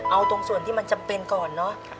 เอาตรงส่วนที่มันจำเป็นก่อนเนอะ